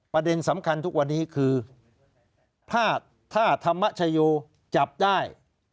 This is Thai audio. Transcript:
ประเด็นสำคัญทุกวันนี้คือถ้าธรรมชโยจับได้